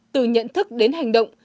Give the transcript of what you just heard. từ nhận thức đến hành động